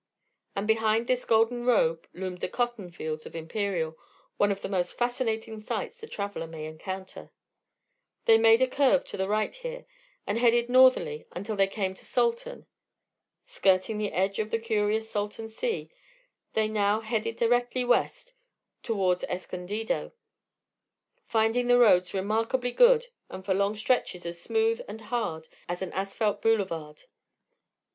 And behind this golden robe loomed the cotton fields of Imperial, one of the most fascinating sights the traveler may encounter. They made a curve to the right here, and headed northerly until they came to Salton. Skirting the edge of the curious Salton Sea they now headed directly west toward Escondido, finding the roads remarkably good and for long stretches as smooth and hard as an asphalt boulevard.